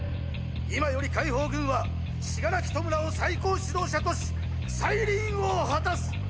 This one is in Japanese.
今より解放軍は死柄木弔を最高指導者とし再臨を果たす！